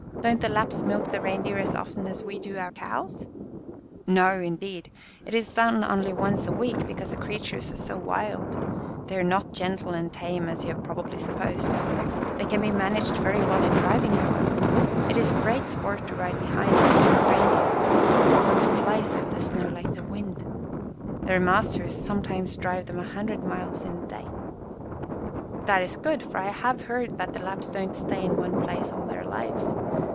Don't the Lapps milk the reindeer as often as we do our cows?" "No, indeed. It is done only once a week, because the creatures are so wild. They are not gentle and tame, as you have probably supposed. They can be managed very well in driving, however. It is great sport to ride behind a team of reindeer, for one flies over the snow like the wind. Their masters sometimes drive them a hundred miles in a day." "That is good, for I have heard that the Lapps don't stay in one place all their lives.